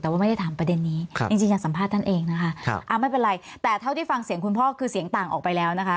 แต่ว่าไม่ได้ถามประเด็นนี้จริงอยากสัมภาษณ์ท่านเองนะคะไม่เป็นไรแต่เท่าที่ฟังเสียงคุณพ่อคือเสียงต่างออกไปแล้วนะคะ